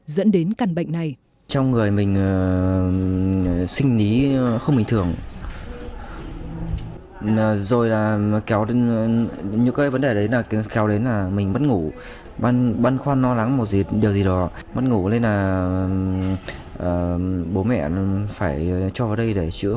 dẫn đến căn bệnh này